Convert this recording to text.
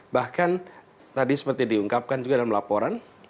bahkan tadi seperti diungkapkan juga dalam laporan